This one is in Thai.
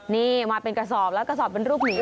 นี่มาเป็นกระสอบแล้วกระสอบเป็นรูปหมู